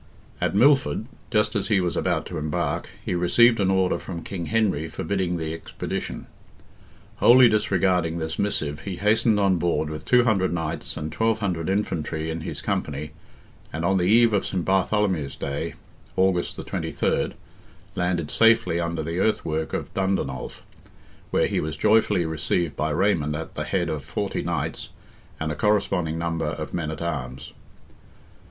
At Milford, just as he was about to embark, he received an order from King Henry forbidding the expedition. Wholly disregarding this missive he hastened on board with 200 knights and 1,200 infantry in his company, and on the eve of St. Bartholomew's Day (August 23rd), landed safely under the earthwork of Dundonolf, where he was joyfully received by Raymond at the head of 40 knights, and a corresponding number of men at arms.